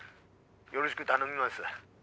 よろしぐ頼みます。